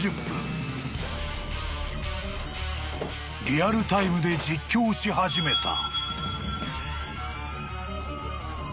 ［リアルタイムで実況し始めた］